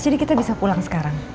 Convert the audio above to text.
jadi kita bisa pulang sekarang